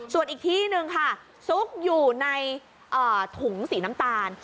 ส่วนอีกที่หนึ่งค่ะซุกอยู่ในถุงสีน้ำตาล